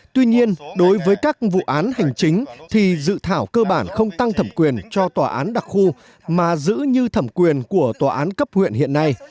tuy nhiên đối với các vụ án hành chính thì dự thảo cơ bản không tăng thẩm quyền cho tòa án đặc khu mà giữ như thẩm quyền của tòa án cấp huyện hiện nay